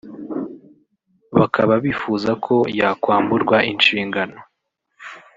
bakaba bifuza ko yakwamburwa inshingano